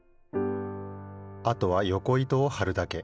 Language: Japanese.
あとはよこ糸をはるだけ。